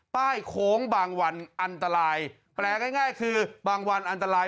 โค้งบางวันอันตรายแปลง่ายคือบางวันอันตราย